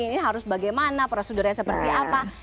ini harus bagaimana prosedurnya seperti apa